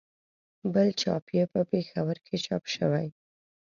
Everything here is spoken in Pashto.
بل چاپ یې په پېښور کې چاپ شوی.